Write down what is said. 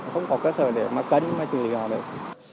không có cơ sở để mà cần mà xử lý họ được